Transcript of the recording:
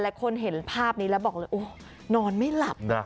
หลายคนเห็นภาพนี้แล้วบอกเลยนอนไม่หลับ